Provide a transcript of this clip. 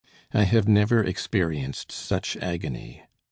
I have never experienced such agony.